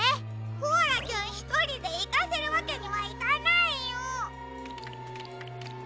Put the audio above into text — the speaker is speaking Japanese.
コアラちゃんひとりでいかせるわけにはいかないよ！